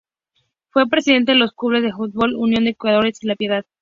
Fue presidente de los clubes de fútbol "Unión de Curtidores" y "La Piedad".